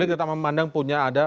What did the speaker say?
kita memandang punya ada